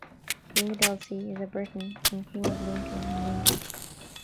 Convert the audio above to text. King Edelsie is a Briton and King of Lincoln and Lindsey.